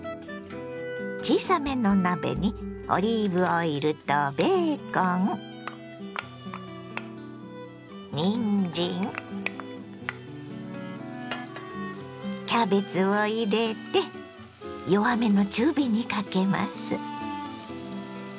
小さめの鍋にオリーブオイルとベーコンにんじんキャベツを入れて弱めの中火にかけます。